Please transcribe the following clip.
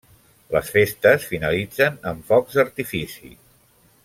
Les festes finalitzen amb focs d'artifici.